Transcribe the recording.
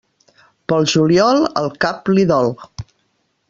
Pel juliol, el cap li dol.